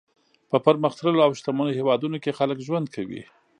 په پرمختللو او شتمنو هېوادونو کې خلک ژوند کوي.